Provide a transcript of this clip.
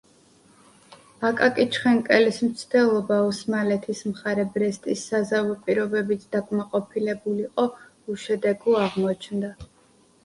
აკაკი ჩხენკელის მცდელობა, ოსმალეთის მხარე ბრესტის საზავო პირობებით დაკმაყოფილებულიყო, უშედეგო აღმოჩნდა.